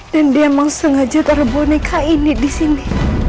dan dia mau sengaja taruh boneka ini di sini